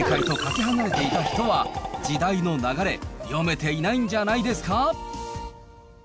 正解とかけ離れていた人は時代の流れ、読めていないんじゃないですか。